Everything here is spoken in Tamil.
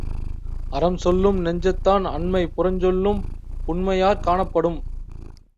அறம் சொல்லும் நெஞ்சத்தான் அன்மை புறஞ்சொல்லும் புன்மையாற் காணப் படும்.